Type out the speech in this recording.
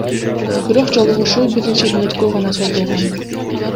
Бирок жолугушуу бир нече мүнөткө гана созулган.